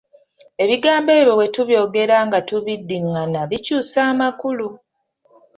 Ebigambo ebyo bwe tubyogera nga tubiddingana, bikyusa amakulu.